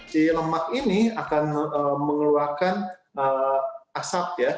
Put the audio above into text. si lemak ini akan mengeluarkan asap ya